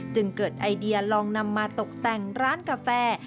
จึงเกิดไอเดียลองนำมาตกแต่งร้านกาแฟ